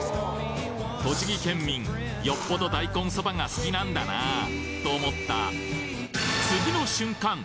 栃木県民よっぽど大根そばが好きなんだなぁと思った